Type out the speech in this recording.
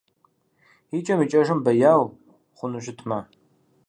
Икӏэм-икӏэжым бэяу, хъуну щытмэ!